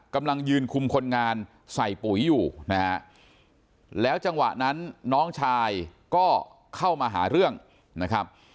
กำลังยืนคุมคนงานใส่ปุ๋ยอยู่นะฮะแล้วจังหวะนั้นน้องชายก็เข้ามาหาเรื่องนะครับ